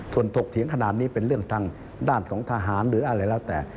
ส่วนถกเถียงขนาดนี้เป็นเรื่องทางด้านของทหารหรืออะไรแล้วแต่